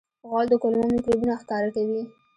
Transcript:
غول د کولمو میکروبونه ښکاره کوي.